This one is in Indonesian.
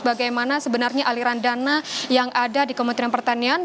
bagaimana sebenarnya aliran dana yang ada di kementerian pertanian